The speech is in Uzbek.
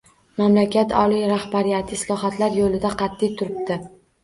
Mamlakat oliy rahbariyati islohotlar yoʻlida qatʼiy turibdi.